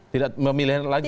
tidak memilih lagi